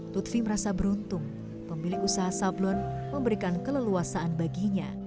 lutfi merasa beruntung pemilik usaha sablon memberikan keleluasaan baginya